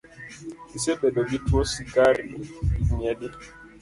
Isebedo gi tuo sukari higni adi?